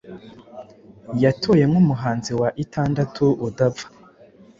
yatoye nk’umuhanzi wa itandatu udapfa